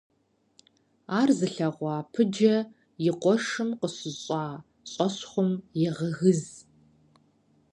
Ар зылъэгъуа Пыджэ и къуэшым къыщыщӀа щӀэщхъум егъэгыз.